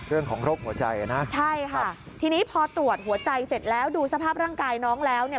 โรคหัวใจนะใช่ค่ะทีนี้พอตรวจหัวใจเสร็จแล้วดูสภาพร่างกายน้องแล้วเนี่ย